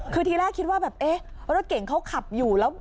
คือทีแรกคิดว่ารถเก่งเขาขับอยู่